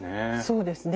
そうですね。